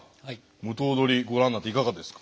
無刀捕ご覧になっていかがですか？